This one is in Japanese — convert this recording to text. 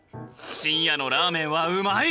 深夜のラーメンはうまい！